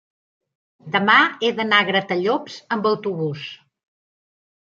demà he d'anar a Gratallops amb autobús.